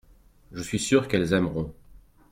je suis sûr qu'elles aimeront.